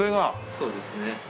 そうですね。